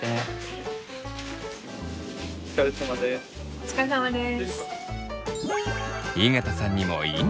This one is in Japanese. お疲れさまです。